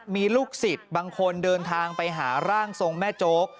มีลูกศิษย์บางคนเดินทางไปหาร่างทรงแม่โจ๊ก